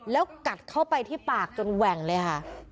แล้วกัดเข้าไปที่ปากจนแหว่งเลยค่ะ